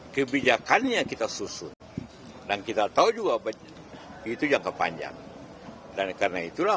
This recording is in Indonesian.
keputusan yang diambil sebenarnya